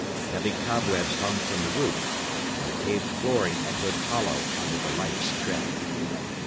Heavy cobwebs hung from the roof; and the paved flooring echoed hollow under the lightest tread.